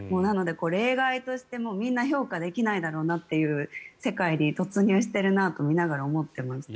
例外としてみんな評価できないだろうなという世界に突入しているなと見ながら思ってました。